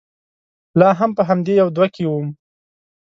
لا هم په همدې يوه دوه کې ووم.